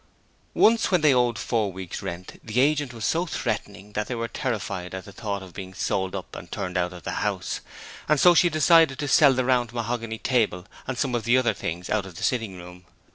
Once, when they owed four weeks' rent, the agent was so threatening that they were terrified at the thought of being sold up and turned out of the house, and so she decided to sell the round mahogany table and some of the other things out of the sitting room.